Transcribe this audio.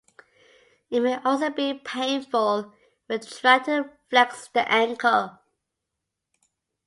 It may also be painful when trying to flex the ankle.